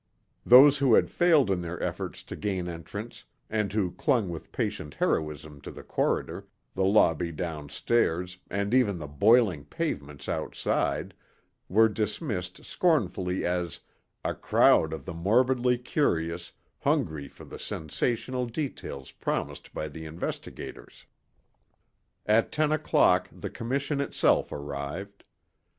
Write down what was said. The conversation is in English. Those who had failed in their efforts to gain entrance and who clung with patient heroism to the corridor, the lobby downstairs and even the boiling pavements outside, were dismissed scornfully as "a crowd of the morbidly curious, hungry for the sensational details promised by the investigators." At ten o'clock the Commission itself arrived.